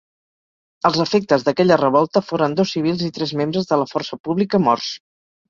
Els efectes d'aquella revolta foren dos civils i tres membres de la força pública morts.